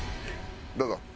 どうぞ。